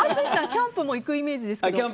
キャンプも行くイメージですけど。